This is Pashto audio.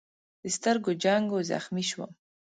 د سترګو جنګ و، زخمي شوم.